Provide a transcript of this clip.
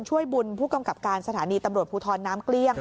ช่วยบุญผู้กำกับการสถานีตำรวจภูทรน้ำเกลี้ยง